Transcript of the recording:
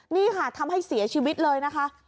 นี่ค่ะทำให้เสียชีวิตเลยนะคะ